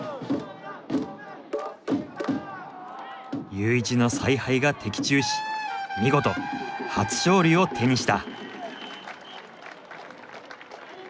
ユーイチの采配が的中し見事初勝利を手にした！